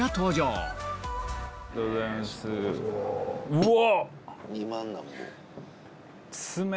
うわ！